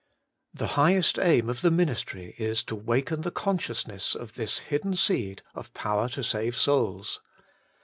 The highest aim of the ministry is to waken the conscious ness of this hidden seed of power to save souls.